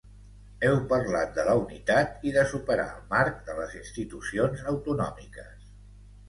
Heu parlat de la unitat i de superar el marc de les institucions autonòmiques.